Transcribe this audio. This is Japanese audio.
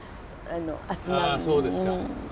ああそうですか。